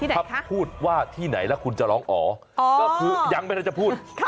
ถ้าพูดว่าที่ไหนแล้วคุณจะร้องอ๋อก็คือยังไม่ได้จะพูด